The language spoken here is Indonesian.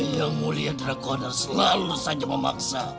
yang mulia drakor selalu saja memaksa